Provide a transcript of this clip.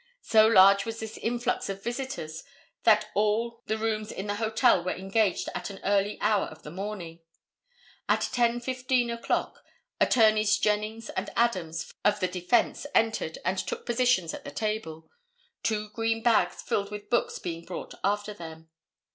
So large was this influx of visitors that all the rooms in the hotel were engaged at an early hour of the morning. At 10:15 o'clock Attorneys Jennings and Adams of the defence entered and took positions at the table, two green bags filled with books being brought after them.